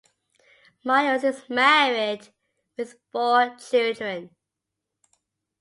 Miles is married, with four children.